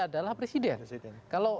adalah presiden kalau